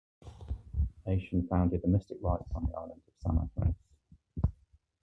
Iasion founded the mystic rites on the island of Samothrace.